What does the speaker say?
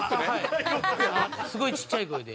すごいちっちゃい声で。